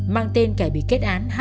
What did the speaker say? mang tên kẻ bị kết án